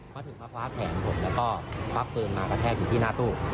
เขาถึงมาคว้าแขนผมแล้วก็ควักปืนมากระแทกอยู่ที่หน้าตู้